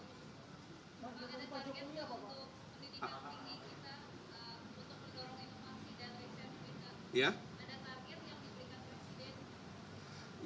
ada target yang diberikan presiden